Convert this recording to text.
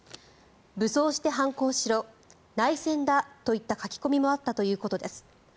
武装して反抗しろ内戦だといった書き込みもあったということです。